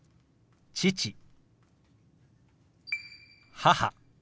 「母」。